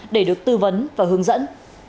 để được tư vấn và hướng dẫn